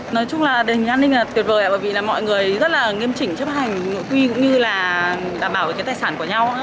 nói chung là đề nghị an ninh là tuyệt vời bởi vì mọi người rất là nghiêm chỉnh chấp hành nội quy cũng như là đảm bảo cái tài sản của nhau